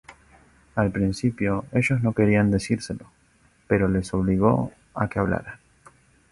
Al principio ellos no querían decírselo, pero les obligó a que hablaran.